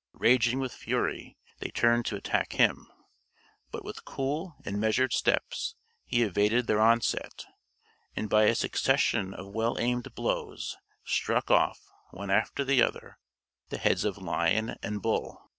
Raging with fury, they turned to attack him; but with cool and measured steps he evaded their onset, and by a succession of well aimed blows struck off, one after the other, the heads of lion and bull.